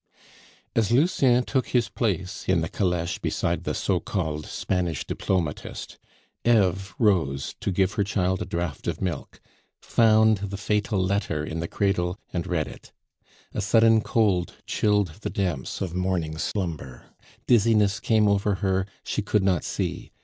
As Lucien took his place in the caleche beside the so called Spanish diplomatist, Eve rose to give her child a draught of milk, found the fatal letter in the cradle, and read it. A sudden cold chilled the damps of morning slumber, dizziness came over her, she could not see.